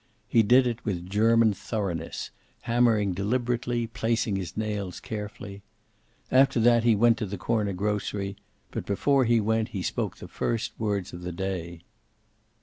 He did it with German thoroughness, hammering deliberately, placing his nails carefully. After that he went to the corner grocery, but before he went he spoke the first words of the day.